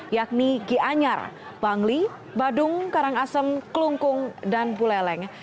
yakni gianyar bangli badung karangasem kelungkung dan buleleng